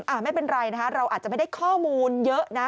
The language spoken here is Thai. ไม่เป็นไรนะคะเราอาจจะไม่ได้ข้อมูลเยอะนะ